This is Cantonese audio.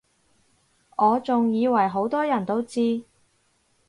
我仲以爲好多人都知